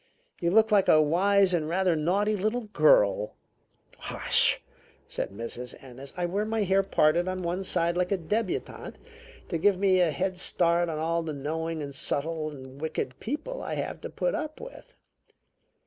You look like a wise and rather naughty little girl." "Hush!" said Mrs. Ennis. "I wear my hair parted on one side like a debutante to give me a head start on all the knowing and subtle and wicked people I have to put up with.